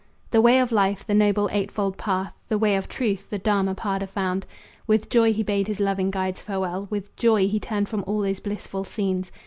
The way of life the noble eightfold path, The way of truth, the Dharma pada found, With joy he bade his loving guides farewell, With joy he turned from all those blissful scenes.